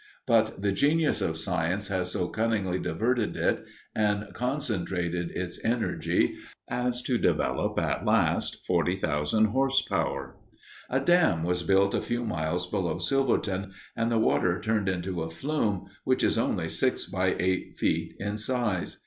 But the genius of science has so cunningly diverted it and concentrated its energy as to develop at last 40,000 horse power. A dam was built a few miles below Silverton, and the water turned into a flume which is only six by eight feet in size.